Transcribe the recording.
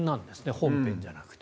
本編じゃなくて。